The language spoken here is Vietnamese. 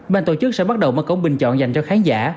ban tổ chức sẽ bắt đầu mở cổng bình chọn dành cho khán giả